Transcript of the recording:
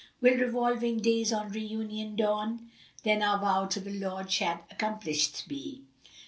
Will revolving days on Re union dawn? * Then our vow to the Lord shall accomplisht be.